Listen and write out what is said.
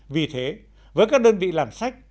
vì thế với các đơn vị làm sách